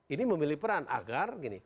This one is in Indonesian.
ini memilih peran agar